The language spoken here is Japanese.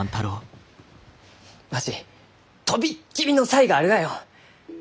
わし飛びっ切りの才があるがよ！